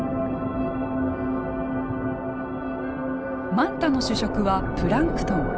マンタの主食はプランクトン。